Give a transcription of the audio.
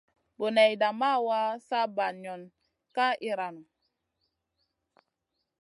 Boneyda ma wa, sa banion ka iyranou.